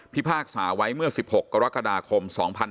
พากษาไว้เมื่อ๑๖กรกฎาคม๒๕๖๒